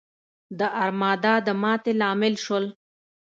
د ارمادا د ماتې لامل شول.